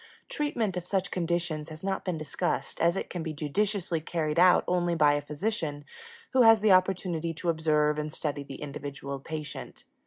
Treatment of such conditions has not been discussed, as it can be judiciously carried out only by a physician who has the opportunity to observe and study the individual patient.